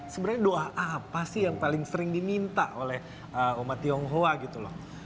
sebenarnya doa apa sih yang paling sering diminta oleh umat tionghoa gitu loh